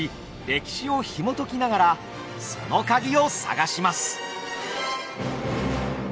歴史をひもときながらそのカギを探します。